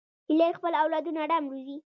هیلۍ خپل اولادونه آرام روزي